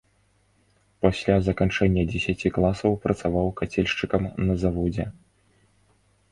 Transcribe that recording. Пасля заканчэння дзесяці класаў працаваў кацельшчыкам на заводзе.